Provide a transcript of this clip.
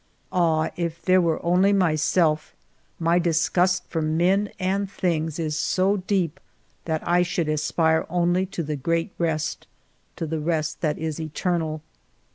Ah, if there were only myself, my disgust for men and things is so deep that I should aspire only to the great rest, to the rest that is eternal.